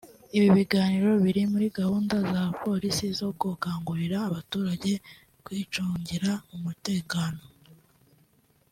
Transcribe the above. Ibi biganiro biri muri gahunda za Polisi zo gukangurira abaturage kwicungira umutekano